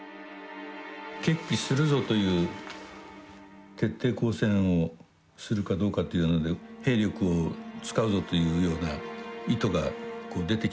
決起するぞという徹底抗戦をするかどうかというので兵力を使うぞというような意図が出てきてるわけですね。